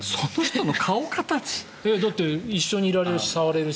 だって、一緒にいられるし触れるし。